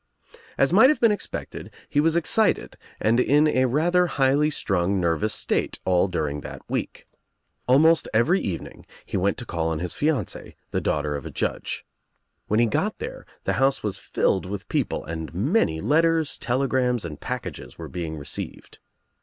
As might have been expected he was excited and in a rather highly strung nervous state all during that week. Almost every evening he went to call on his :e, the daughter of a judge. When he got there 33 34 THE. TRIUMPH OF THE EGG the house was filled with people and many letters, tele grams and packages were being received.